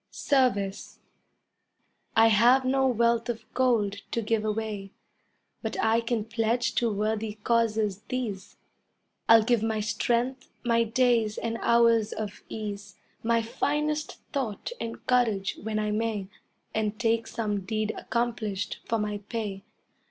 SERVICE I have no wealth of gold to give away, But I can pledge to worthy causes these: I'll give my strength, my days and hours of ease, My finest thought and courage when I may, And take some deed accomplished for my pay.